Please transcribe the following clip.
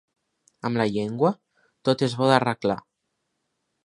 Amb la llengua, tot és bo d'arreglar.